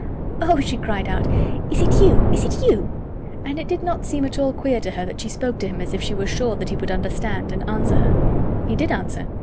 "Oh!" she cried out, "is it you—is it you?" And it did not seem at all queer to her that she spoke to him as if she were sure that he would understand and answer her. He did answer.